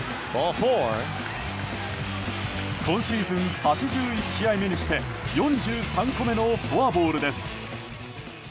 今シーズン８１試合目にして４３個目のフォアボールです。